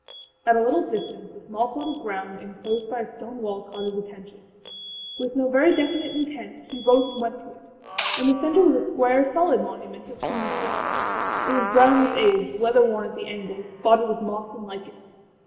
â At a little distance a small plot of ground enclosed by a stone wall caught his attention. With no very definite intent he rose and went to it. In the center was a square, solid monument of hewn stone. It was brown with age, weather worn at the angles, spotted with moss and lichen.